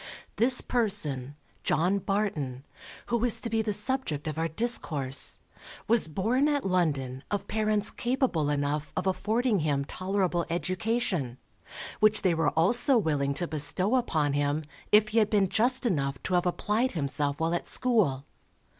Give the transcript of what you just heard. This person, John Barton, who is to be the subject of our discourse, was born at London, of parents capable enough of affording him tolerable education, which they were also willing to bestow upon him, if he had been just enough to have applied himself while at school.